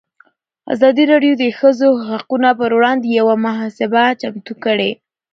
ازادي راډیو د د ښځو حقونه پر وړاندې یوه مباحثه چمتو کړې.